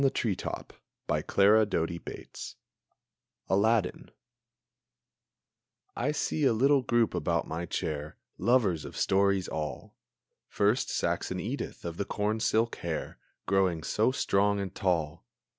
ALADDIN Versified by Clara Doty Bates I see a little group about my chair, Lovers of stories all! First, Saxon Edith, of the corn silk hair, Growing so strong and tall!